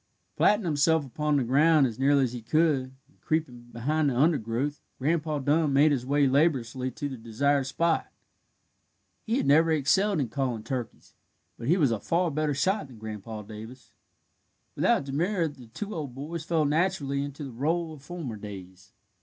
Flattening himself upon the ground as nearly as he could, and creeping behind the undergrowth, Grandpa Dun made his way laboriously to the desired spot. He had never excelled in calling turkeys, but he was a far better shot than Grandpa Davis. Without demur the two old boys fell naturally into the rôle of former days.